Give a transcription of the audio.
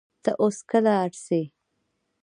تۀ او کله ار سې